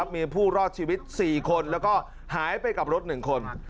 มีผู้รอดชีวิต๔คนแล้วก็หายไปกับรถ๑คน